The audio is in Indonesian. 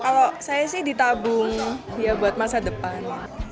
kalau saya sih ditabung ya buat masa depan